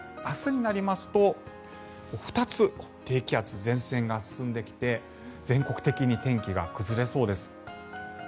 明日になりますと２つ、低気圧、前線が進んできて全国的に天気が崩れそうです。